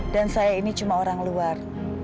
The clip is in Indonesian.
dan saya ini cuma orang luar